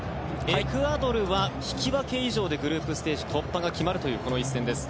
エクアドルは引き分け以上でグループステージ突破が決まるというこの一戦です。